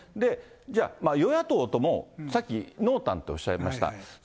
じゃあ、与野党とも、さっき濃淡とおっしゃいました。